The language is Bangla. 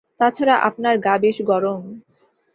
তা ছাড়া আপনার গা বেশ গরম।